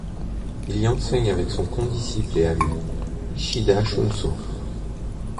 Il y enseigne avec son condisciple et ami Hishida Shunsō.